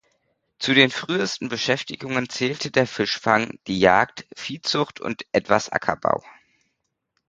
Zu den frühesten Beschäftigungen zählte der Fischfang, die Jagd, Viehzucht und etwas Ackerbau.